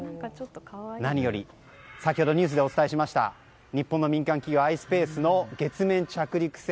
何より、先ほどニュースでお伝えしました日本の民間企業ｉｓｐａｃｅの月面着陸船